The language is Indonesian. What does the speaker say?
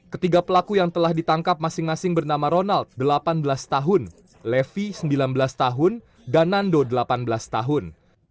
ketiga pelaku yang telah ditangkap masing masing bernama ronald delapan belas tahun levi sembilan belas tahun dan nando delapan belas tahun